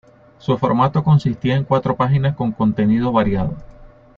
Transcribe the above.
Su formato consistía en cuatro páginas con contenido variado.